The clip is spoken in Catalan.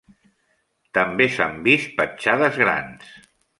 També s'han vist petjades grans.